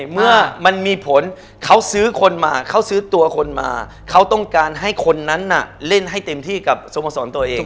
เขาซื้อคนมาเขาซื้อตัวคนมาเขาต้องการให้คนนั้นน่ะเล่นให้เต็มที่กับสมสรรค์ตัวเอง